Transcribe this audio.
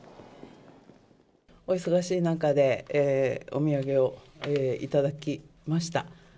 お忙しい中でお土産を頂きました。